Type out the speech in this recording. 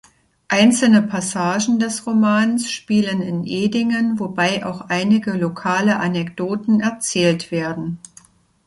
Einzelne Passagen des Romans spielen in Edingen, wobei auch einige lokale Anekdoten erzählt werden.